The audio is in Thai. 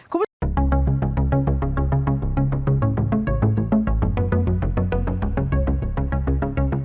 โปรดติดตามตอนต่อไป